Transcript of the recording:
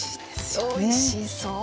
おいしそう！